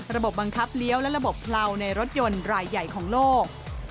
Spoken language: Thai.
บังคับเลี้ยวและระบบเลาในรถยนต์รายใหญ่ของโลก